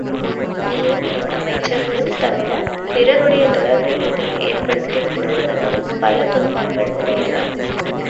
நீயும் என் அமைச்சர்களும் தவிரப் பிறருடைய தொடர்பை இதில் ஏற்படுத்திக் கொள்வதனால் பல துன்பங்கள் விளையலாம்.